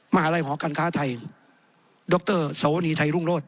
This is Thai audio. มหาลัยหอการค้าไทยดรสวนีไทยรุ่งโรธ